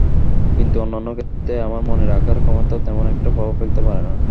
কিন্তু অন্যান্য ক্ষেত্রে আমার মনে রাখার ক্ষমতা তেমন একটা প্রভাব ফেলতে পারে না।